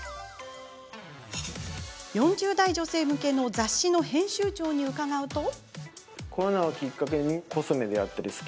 ４０代女性向けの雑誌の編集長に聞くと。